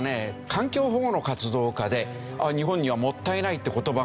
環境保護の活動家で日本には「もったいない」って言葉がある。